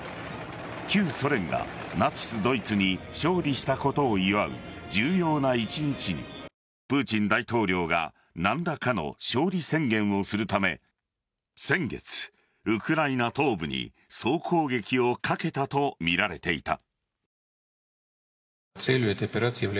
旧ソ連がナチス・ドイツに勝利したことを祝う重要な一日にプーチン大統領が何らかの勝利宣言をするため先月、ウクライナ東部に総攻撃をかけたとみられていた。